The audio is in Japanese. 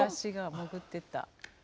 潜ってった。